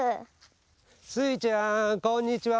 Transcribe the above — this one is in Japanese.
スイちゃんこんにちは。